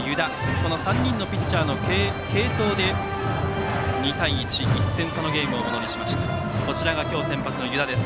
この３人のピッチャーの継投で２対１の１点差のゲームをものにしました。